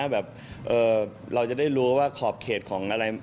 แบบเราจะได้รู้ว่าขอบเขตของอะไร